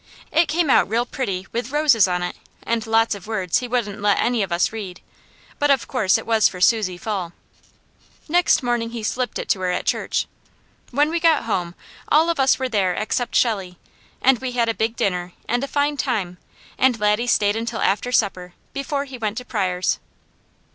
It came out real pretty with roses on it and lots of words he wouldn't let any of us read; but of course it was for Susie Fall. Next morning he slipped it to her at church. When we got home, all of us were there except Shelley, and we had a big dinner and a fine time and Laddie stayed until after supper, before he went to Pryors'.